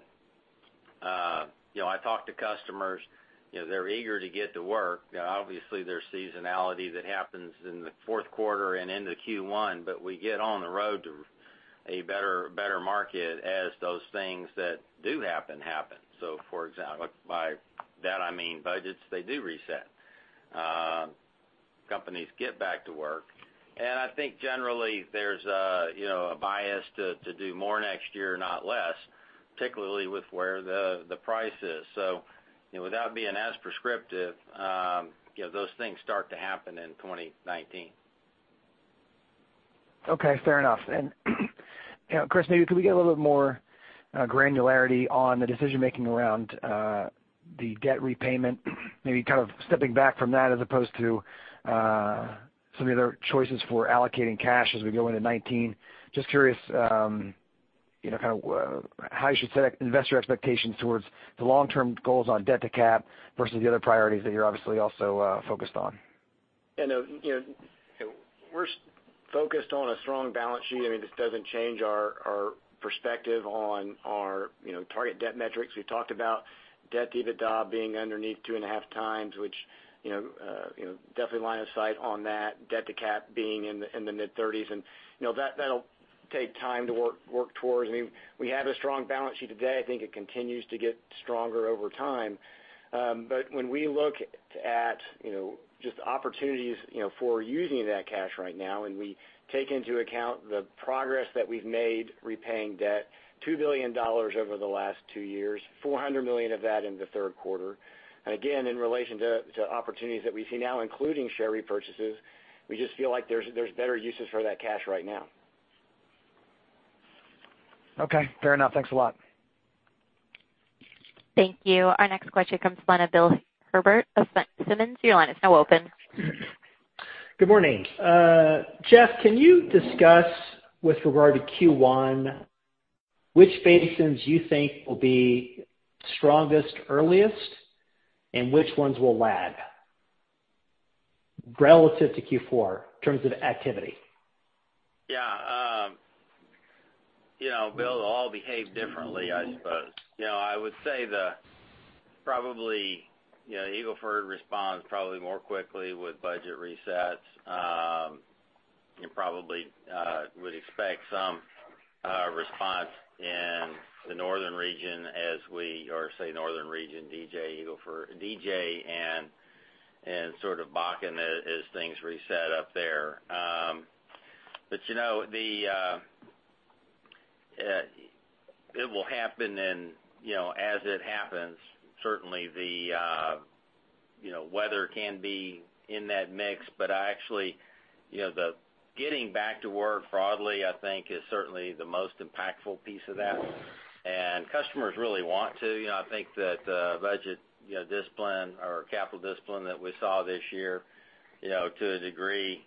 Speaker 3: I talk to customers, they're eager to get to work. Obviously, there's seasonality that happens in the fourth quarter and into Q1, but we get on the road to a better market as those things that do happen. For example, by that, I mean budgets, they do reset. Companies get back to work. I think generally there's a bias to do more next year, not less, particularly with where the price is. Without being as prescriptive, those things start to happen in 2019.
Speaker 7: Okay, fair enough. Chris, maybe could we get a little bit more granularity on the decision-making around the debt repayment? Maybe kind of stepping back from that as opposed to some of the other choices for allocating cash as we go into 2019. Just curious, kind of how you should set investor expectations towards the long-term goals on debt to cap versus the other priorities that you're obviously also focused on.
Speaker 4: We're focused on a strong balance sheet. This doesn't change our perspective on our target debt metrics. We've talked about debt-to-EBITDA being underneath 2.5x, which definitely line of sight on that. Debt to cap being in the mid-30s, and that'll take time to work towards. We have a strong balance sheet today. I think it continues to get stronger over time. When we look at just opportunities for using that cash right now, and we take into account the progress that we've made, repaying debt, $2 billion over the last two years, $400 million of that in the third quarter. Again, in relation to opportunities that we see now, including share repurchases, we just feel like there's better uses for that cash right now.
Speaker 7: Okay, fair enough. Thanks a lot.
Speaker 1: Thank you. Our next question comes from the line of Bill Herbert of Simmons. Your line is now open.
Speaker 8: Good morning. Jeff, can you discuss with regard to Q1, which basins you think will be strongest earliest, and which ones will lag relative to Q4 in terms of activity?
Speaker 3: Yeah. Bill, they'll all behave differently, I suppose. I would say the, probably, Eagle Ford responds probably more quickly with budget resets. You probably would expect some response in the northern region Or say northern region, DJ, Eagle Ford, DJ, and sort of Bakken as things reset up there. It will happen in as it happens, certainly the weather can be in that mix, I actually, the getting back to work broadly, I think, is certainly the most impactful piece of that. Customers really want to. I think that the budget discipline or capital discipline that we saw this year, to a degree,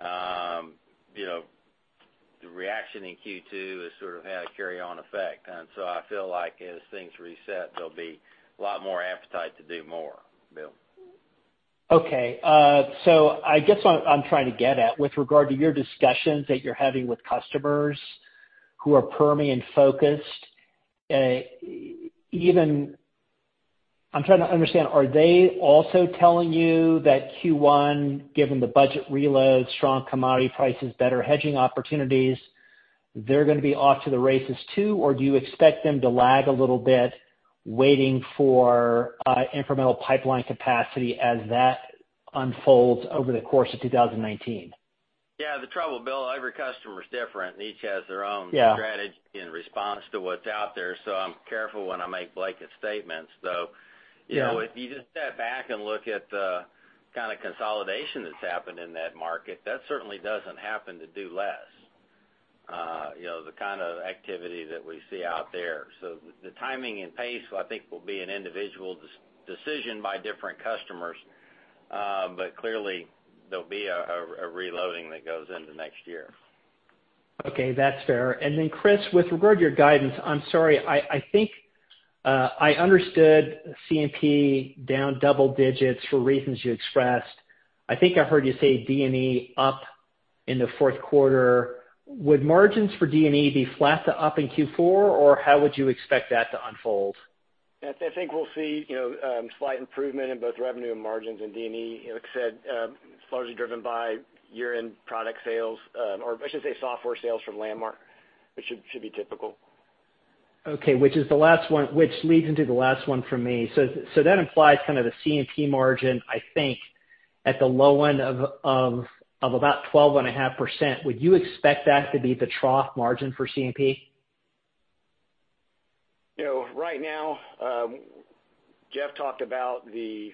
Speaker 3: the reaction in Q2 has sort of had a carry-on effect. I feel like as things reset, there'll be a lot more appetite to do more, Bill.
Speaker 8: Okay. I guess what I'm trying to get at, with regard to your discussions that you're having with customers who are Permian-focused. I'm trying to understand, are they also telling you that Q1, given the budget reload, strong commodity prices, better hedging opportunities, they're going to be off to the races too? Or do you expect them to lag a little bit, waiting for incremental pipeline capacity as that unfolds over the course of 2019?
Speaker 3: Yeah, the trouble, Bill, every customer's different and each has their own
Speaker 8: Yeah
Speaker 3: strategy in response to what's out there. I'm careful when I make blanket statements, though.
Speaker 8: Yeah.
Speaker 3: If you just step back and look at the kind of consolidation that's happened in that market, that certainly doesn't happen to do less. The kind of activity that we see out there. The timing and pace, I think, will be an individual decision by different customers. Clearly, there'll be a reloading that goes into next year.
Speaker 8: Okay, that's fair. Then Chris, with regard to your guidance, I'm sorry, I think I understood C&P down double digits for reasons you expressed. I think I heard you say D&E up in the fourth quarter, would margins for D&E be flat to up in Q4, or how would you expect that to unfold?
Speaker 4: I think we'll see slight improvement in both revenue and margins in D&E. Like I said, it's largely driven by year-end product sales, or I should say software sales from Landmark, which should be typical.
Speaker 8: Okay. Which leads into the last one from me. That implies kind of a C&P margin, I think, at the low end of about 12.5%. Would you expect that to be the trough margin for C&P?
Speaker 4: Right now, Jeff talked about the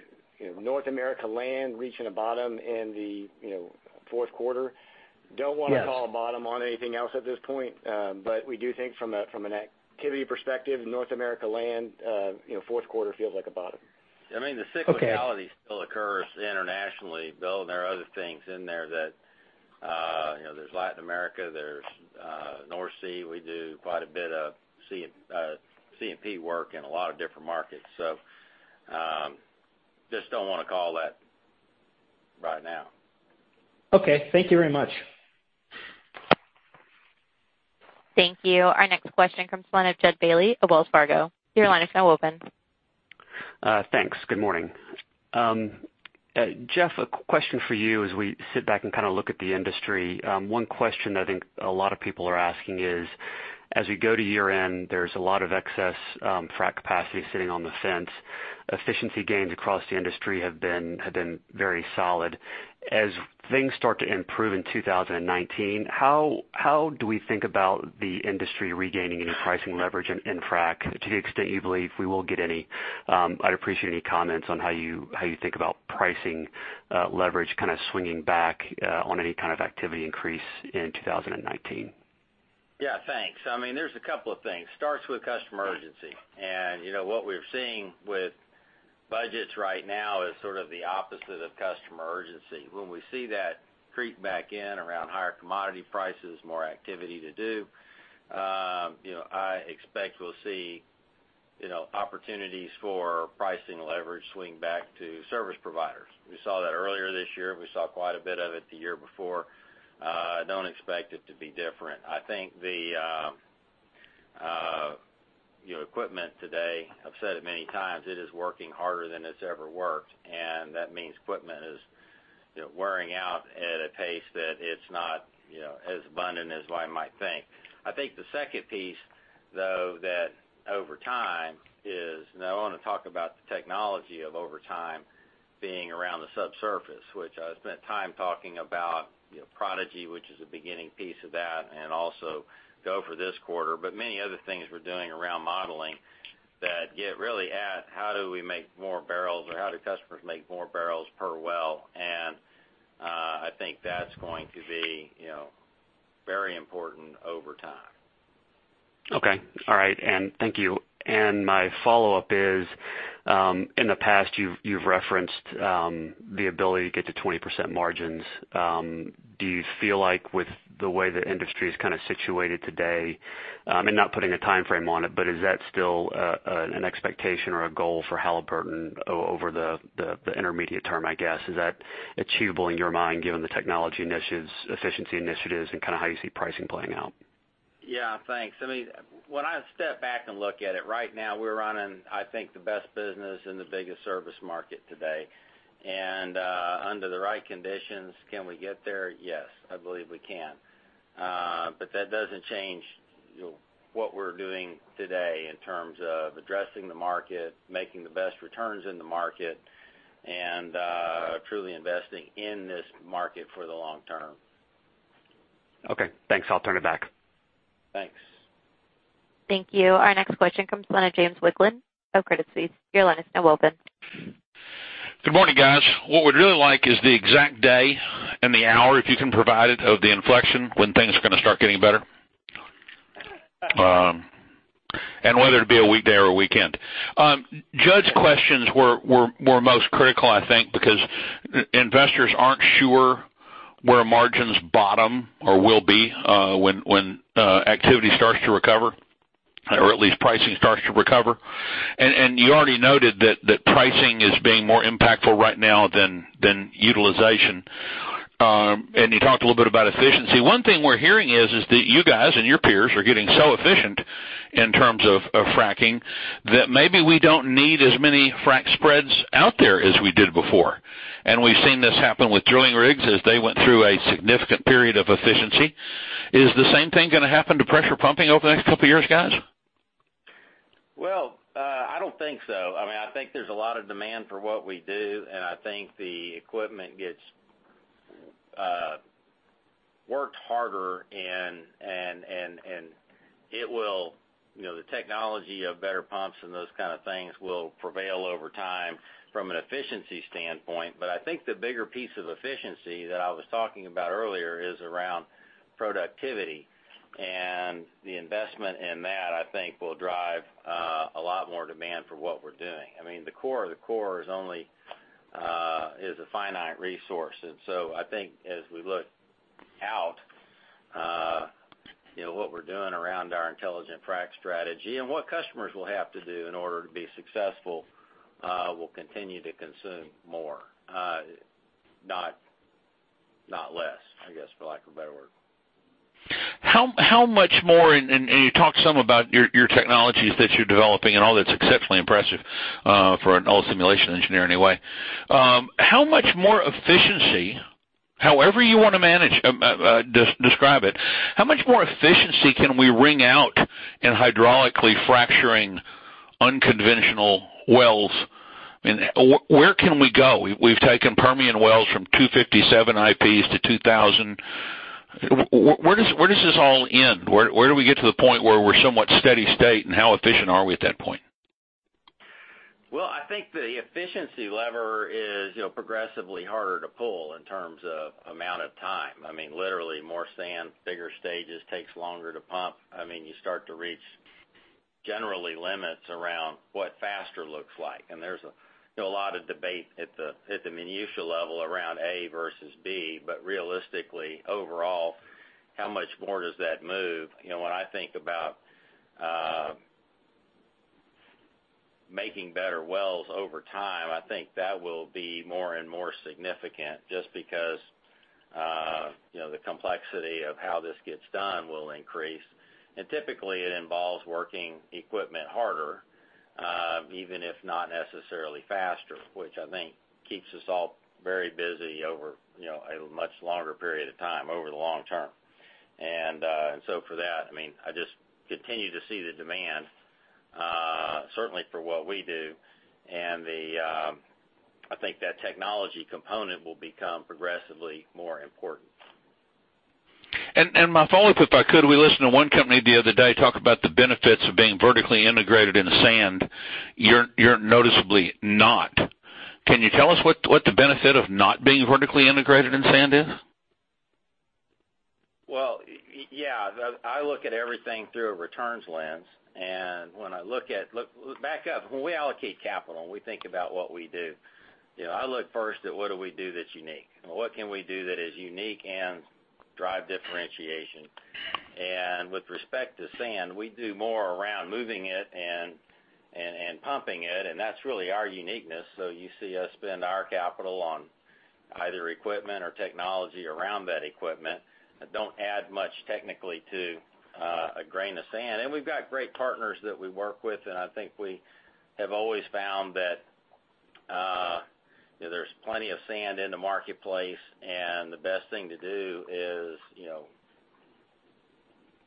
Speaker 4: North America land reaching a bottom in the fourth quarter. Yes. Don't want to call a bottom on anything else at this point. We do think from an activity perspective, North America land, fourth quarter feels like a bottom.
Speaker 8: Okay.
Speaker 3: I mean, the cyclicality still occurs internationally, Bill, there's Latin America, there's North Sea. We do quite a bit of C&P work in a lot of different markets, just don't want to call that right now.
Speaker 8: Okay, thank you very much.
Speaker 1: Thank you. Our next question comes from the line of Jud Bailey of Wells Fargo. Your line is now open.
Speaker 9: Thanks. Good morning. Jeff, a question for you as we sit back and kind of look at the industry. One question I think a lot of people are asking is, as we go to year-end, there's a lot of excess frac capacity sitting on the fence. Efficiency gains across the industry have been very solid. As things start to improve in 2019, how do we think about the industry regaining any pricing leverage in frac? To the extent you believe we will get any, I'd appreciate any comments on how you think about pricing leverage kind of swinging back on any kind of activity increase in 2019.
Speaker 3: Yeah, thanks. There's a couple of things. Starts with customer urgency. What we're seeing with budgets right now is sort of the opposite of customer urgency. When we see that creep back in around higher commodity prices, more activity to do, I expect we'll see opportunities for pricing leverage swing back to service providers. We saw that earlier this year. We saw quite a bit of it the year before. I don't expect it to be different. I think the equipment today, I've said it many times, it is working harder than it's ever worked, and that means equipment is wearing out at a pace that it's not as abundant as one might think. I think the second piece, though, that over time is. Now I want to talk about the technology of over time being around the subsurface, which I spent time talking about Prodigi, which is a beginning piece of that, and also GOHFER this quarter, but many other things we're doing around modeling that get really at how do we make more barrels, or how do customers make more barrels per well, I think that's going to be very important over time.
Speaker 9: Okay. All right. Thank you. My follow-up is, in the past you've referenced the ability to get to 20% margins. Do you feel like with the way the industry is kind of situated today, and not putting a timeframe on it, but is that still an expectation or a goal for Halliburton over the intermediate term, I guess? Is that achievable in your mind given the technology initiatives, efficiency initiatives, and kind of how you see pricing playing out?
Speaker 3: Yeah. Thanks. When I step back and look at it, right now we're running, I think the best business and the biggest service market today. Under the right conditions, can we get there? Yes, I believe we can. That doesn't change what we're doing today in terms of addressing the market, making the best returns in the market, and truly investing in this market for the long term.
Speaker 9: Okay, thanks. I'll turn it back.
Speaker 3: Thanks.
Speaker 1: Thank you. Our next question comes from the line of James West of Credit Suisse. Your line is now open.
Speaker 10: Good morning, guys. What we'd really like is the exact day and the hour, if you can provide it, of the inflection, when things are going to start getting better. Whether it be a weekday or a weekend. Jud's questions were most critical, I think, because investors aren't sure where margins bottom or will be when activity starts to recover, or at least pricing starts to recover. You already noted that pricing is being more impactful right now than utilization. You talked a little bit about efficiency. One thing we're hearing is that you guys and your peers are getting so efficient in terms of fracking, that maybe we don't need as many frac spreads out there as we did before. We've seen this happen with drilling rigs as they went through a significant period of efficiency. Is the same thing gonna happen to pressure pumping over the next couple of years, guys?
Speaker 3: Well, I don't think so. I think there's a lot of demand for what we do, and I think the equipment gets worked harder, and the technology of better pumps and those kind of things will prevail over time from an efficiency standpoint. I think the bigger piece of efficiency that I was talking about earlier is around productivity. The investment in that, I think, will drive a lot more demand for what we're doing. The core of the core is a finite resource. I think as we look out We're doing around our Intelligent Fracturing Strategy, and what customers will have to do in order to be successful, will continue to consume more, not less, I guess, for lack of a better word.
Speaker 10: How much more, you talked some about your technologies that you're developing and all that's exceptionally impressive, for an old simulation engineer anyway. How much more efficiency, however you want to describe it. How much more efficiency can we wring out in hydraulic fracturing unconventional wells? Where can we go? We've taken Permian wells from 257 IPs to 2,000. Where does this all end? Where do we get to the point where we're somewhat steady state, and how efficient are we at that point?
Speaker 3: Well, I think the efficiency lever is progressively harder to pull in terms of amount of time. Literally more sand, bigger stages, takes longer to pump. You start to reach generally limits around what faster looks like. There's a lot of debate at the minutiae level around A versus B, but realistically, overall, how much more does that move? When I think about making better wells over time, I think that will be more and more significant just because the complexity of how this gets done will increase. Typically, it involves working equipment harder, even if not necessarily faster, which I think keeps us all very busy over a much longer period of time, over the long term. For that, I just continue to see the demand, certainly for what we do and I think that technology component will become progressively more important.
Speaker 10: My follow-up, if I could, we listened to one company the other day talk about the benefits of being vertically integrated into sand. You're noticeably not. Can you tell us what the benefit of not being vertically integrated in sand is?
Speaker 3: Well, yeah. I look at everything through a returns lens, and back up. When we allocate capital and we think about what we do, I look first at what do we do that's unique and what can we do that is unique and drive differentiation. With respect to sand, we do more around moving it and pumping it, and that's really our uniqueness. You see us spend our capital on either equipment or technology around that equipment, but don't add much technically to a grain of sand. We've got great partners that we work with, and I think we have always found that there's plenty of sand in the marketplace and the best thing to do is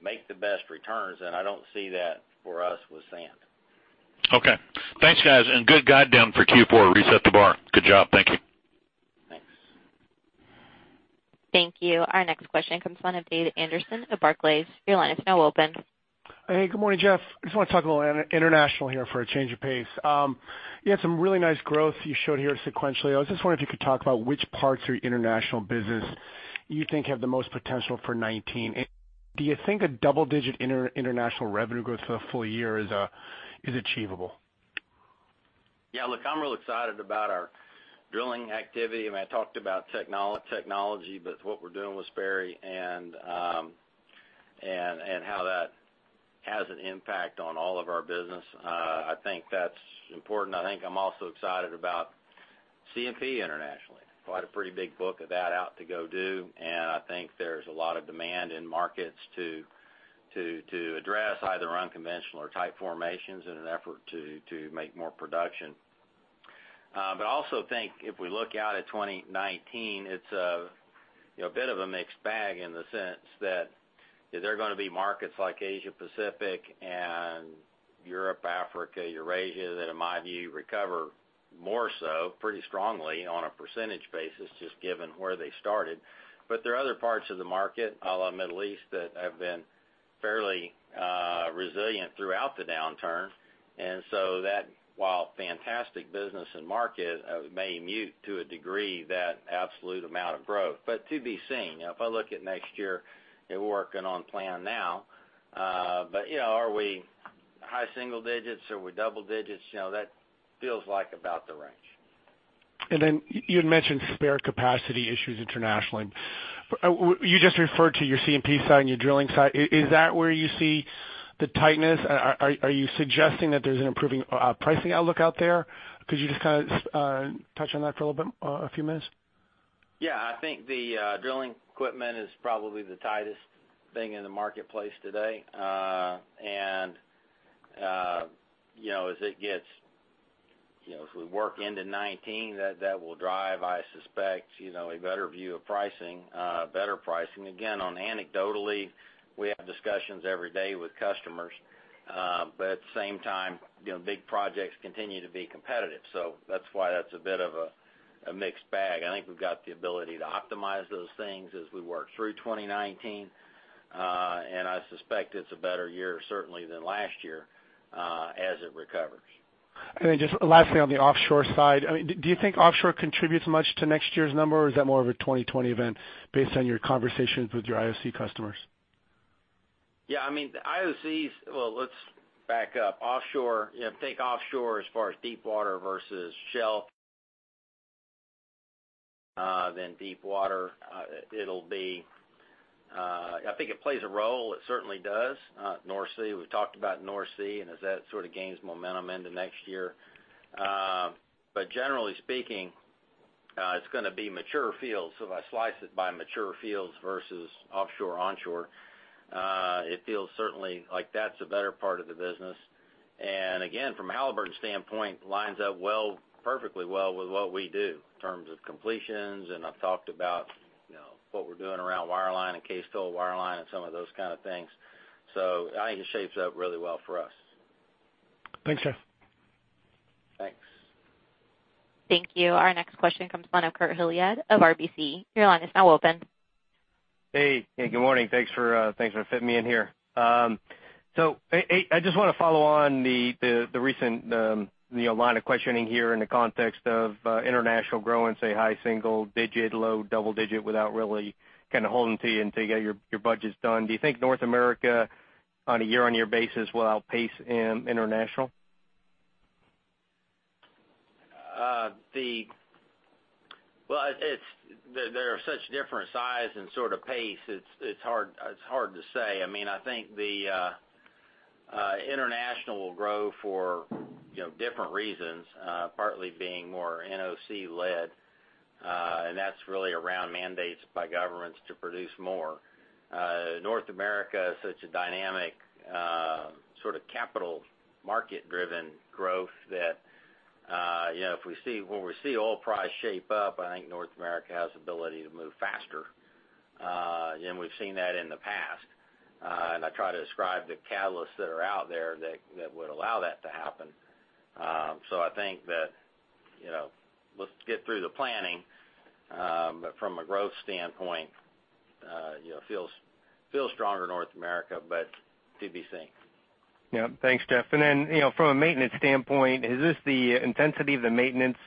Speaker 3: make the best returns, and I don't see that for us with sand.
Speaker 10: Okay. Thanks, guys. Good guide down for Q4. Reset the bar. Good job. Thank you.
Speaker 3: Thanks.
Speaker 1: Thank you. Our next question comes from the line of David Anderson of Barclays. Your line is now open.
Speaker 11: Hey, good morning, Jeff. I just want to talk a little international here for a change of pace. You had some really nice growth you showed here sequentially. I was just wondering if you could talk about which parts of your international business you think have the most potential for 2019. Do you think a double-digit international revenue growth for the full year is achievable?
Speaker 3: I'm real excited about our drilling activity. I talked about technology, but what we're doing with Sperry and how that has an impact on all of our business. I think that's important. I'm also excited about C&P internationally. Quite a pretty big book of that out to go do, and I think there's a lot of demand in markets to address either unconventional or tight formations in an effort to make more production. I also think if we look out at 2019, it's a bit of a mixed bag in the sense that there are going to be markets like Asia-Pacific and Europe, Africa, Eurasia that in my view, recover more so, pretty strongly on a percentage basis, just given where they started. There are other parts of the market, a la Middle East, that have been fairly resilient throughout the downturn. That, while fantastic business and market may mute to a degree, that absolute amount of growth, but to be seen. If I look at next year, we're working on plan now. Are we high single digits? Are we double digits? That feels like about the range.
Speaker 11: You had mentioned spare capacity issues internationally. You just referred to your C&P side and your drilling side. Is that where you see the tightness? Are you suggesting that there's an improving pricing outlook out there? Could you just touch on that for a few minutes?
Speaker 3: I think the drilling equipment is probably the tightest thing in the marketplace today. As we work into 2019, that will drive, I suspect, a better view of pricing, better pricing. Again, anecdotally, we have discussions every day with customers. At the same time, big projects continue to be competitive. That's why that's a bit of a mixed bag. I think we've got the ability to optimize those things as we work through 2019. I suspect it's a better year certainly than last year, as it recovers.
Speaker 11: Just lastly on the offshore side. Do you think offshore contributes much to next year's number, or is that more of a 2020 event based on your conversations with your IOC customers?
Speaker 3: Let's back up. Take offshore as far as deep water versus shelf. Deep water. I think it plays a role, it certainly does. North Sea, we've talked about North Sea, and as that sort of gains momentum into next year. Generally speaking, it's going to be mature fields. If I slice it by mature fields versus offshore/onshore, it feels certainly like that's a better part of the business. Again, from Halliburton's standpoint, lines up perfectly well with what we do in terms of completions, and I've talked about what we're doing around wireline and cased-hole wireline and some of those kind of things. I think it shapes up really well for us.
Speaker 11: Thanks, Jeff.
Speaker 3: Thanks.
Speaker 1: Thank you. Our next question comes from Kurt Hallead of RBC. Your line is now open.
Speaker 12: Hey. Good morning. Thanks for fitting me in here. I just want to follow on the recent line of questioning here in the context of international growing, say, high single digit, low double digit, without really kind of holding to you until you get your budgets done. Do you think North America, on a year-on-year basis, will outpace international?
Speaker 3: Well, they're such different size and sort of pace, it's hard to say. I think the international will grow for different reasons, partly being more NOC led. That's really around mandates by governments to produce more. North America is such a dynamic sort of capital market driven growth that when we see oil price shape up, I think North America has the ability to move faster. We've seen that in the past. I try to describe the catalysts that are out there that would allow that to happen. I think that let's get through the planning. From a growth standpoint, feels stronger North America, but to be seen.
Speaker 12: Yeah. Thanks, Jeff. From a maintenance standpoint, has the intensity of the maintenance,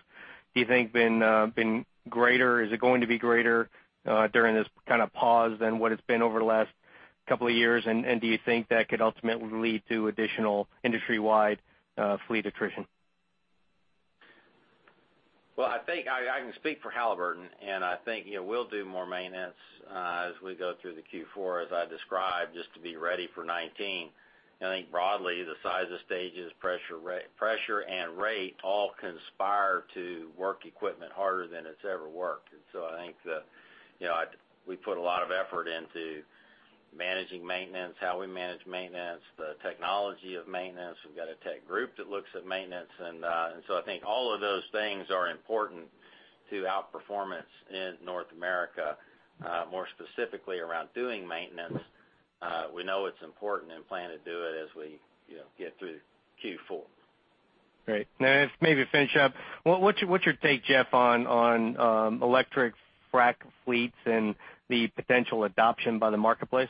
Speaker 12: do you think been greater? Is it going to be greater during this kind of pause than what it's been over the last couple of years? Do you think that could ultimately lead to additional industry-wide fleet attrition?
Speaker 3: Well, I can speak for Halliburton, I think we'll do more maintenance as we go through the Q4, as I described, just to be ready for 2019. I think broadly, the size of stages, pressure and rate all conspire to work equipment harder than it's ever worked. I think that we put a lot of effort into managing maintenance, how we manage maintenance, the technology of maintenance. We've got a tech group that looks at maintenance. I think all of those things are important to outperformance in North America. More specifically around doing maintenance, we know it's important and plan to do it as we get through Q4.
Speaker 12: Then just maybe to finish up, what's your take, Jeff, on electric frac fleets and the potential adoption by the marketplace?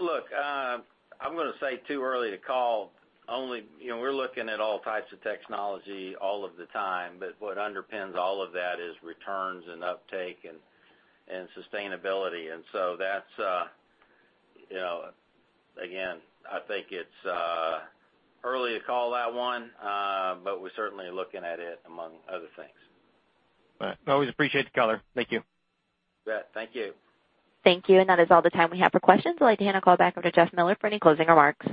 Speaker 3: Look, I'm going to say too early to call. We're looking at all types of technology all of the time, what underpins all of that is returns and uptake and sustainability. Again, I think it's early to call that one, but we're certainly looking at it, among other things.
Speaker 12: All right. I always appreciate the color. Thank you.
Speaker 3: You bet. Thank you.
Speaker 1: Thank you. That is all the time we have for questions. I'd like to hand the call back over to Jeff Miller for any closing remarks.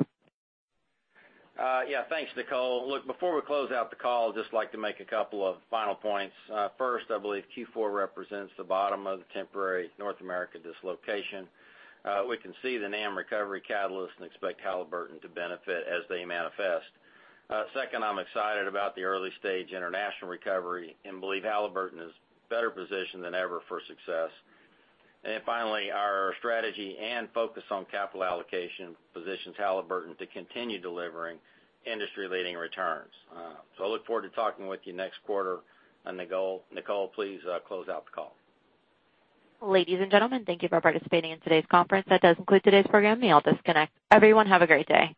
Speaker 3: Yeah. Thanks, Nicole. Look, before we close out the call, just like to make a couple of final points. First, I believe Q4 represents the bottom of the temporary North American dislocation. We can see the NAM recovery catalyst and expect Halliburton to benefit as they manifest. Second, I'm excited about the early-stage international recovery and believe Halliburton is better positioned than ever for success. Finally, our strategy and focus on capital allocation positions Halliburton to continue delivering industry-leading returns. I look forward to talking with you next quarter. Nicole, please close out the call.
Speaker 1: Ladies and gentlemen, thank you for participating in today's conference. That does conclude today's program. You may all disconnect. Everyone, have a great day.